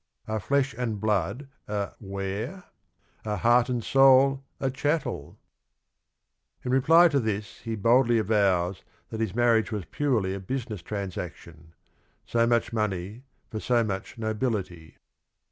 Are flesh and blood a ware? Are heart and soul a chattel ?'" In reply to this he boldly avows that his mar riage was~ pur ely a b usiness— ffahsaction, — so much money for so much nobility.